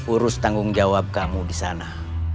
urus tanggung jawab kamu di sana